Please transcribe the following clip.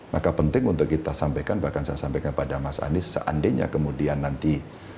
maka penting untuk kita sampaikan bahkan saya sampaikan pada mas anies seandainya kemudian nanti